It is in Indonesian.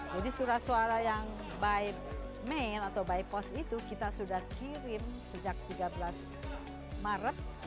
jadi surat suara yang by mail atau by post itu kita sudah kirim sejak tiga belas maret